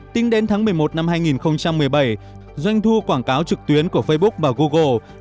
tính đến tháng một mươi một năm hai nghìn một mươi bảy doanh thu quảng cáo trực tuyến của facebook và google